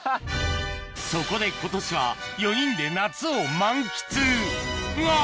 そこで今年は４人で夏を満喫が！